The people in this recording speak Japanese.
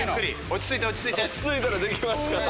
落ち着いたらできますから。